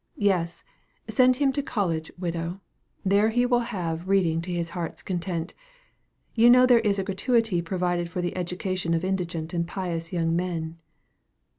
Yes, send him to college, widow; there he will have reading to his heart's content. You know there is a gratuity provided for the education of indigent and pious young men."